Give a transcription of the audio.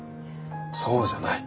そうじゃない。